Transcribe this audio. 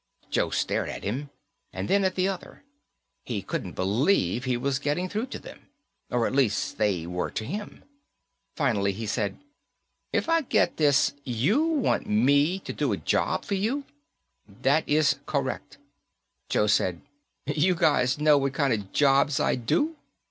Joe stared at him, and then at the other. He couldn't believe he was getting through to them. Or, at least, that they were to him. Finally he said, "If I get this, you want me to do a job for you." "That is correct." Joe said, "You guys know the kind of jobs I do?"